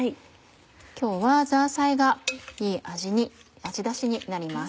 今日はザーサイがいい味出しになります。